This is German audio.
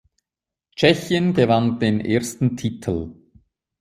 Tschechien gewann den ersten Titel.